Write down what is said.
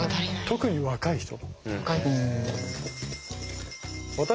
特に若い人。